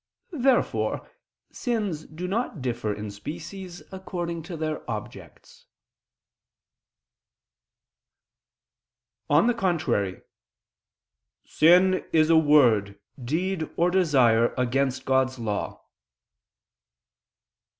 Therefore sins do not differ in species according to their objects. On the contrary, "Sin is a word, deed, or desire against God's law."